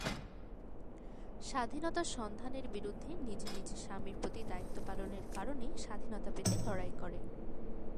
স্বাধীনতার সন্ধানের বিরুদ্ধে নিজ নিজ স্বামীর প্রতি দায়িত্ব পালনের কারণে স্বাধীনতা পেতে লড়াই করে।